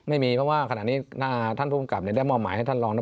ไม่มีเพราะว่าขณะนี้ท่านผู้กำกับได้มอบหมายให้ท่านรองนะ